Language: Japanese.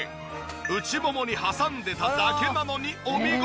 内ももに挟んでただけなのにお見事！